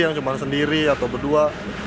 yang cuma sendiri atau berdua